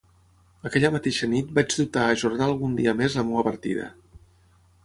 Aquella mateixa nit vaig dubtar a ajornar algun dia més la meua partida.